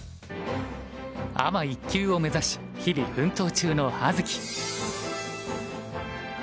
アマ１級を目指し日々奮闘中の葉月。